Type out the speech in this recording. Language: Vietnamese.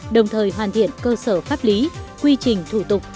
đồng thời hoàn thiện cơ sở pháp lý quy trình thủ tục